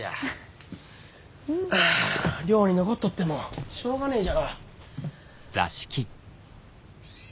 寮に残っとってもしょうがねえじゃろ。